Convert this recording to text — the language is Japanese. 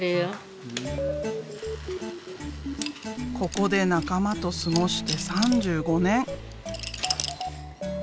ここで仲間と過ごして３５年。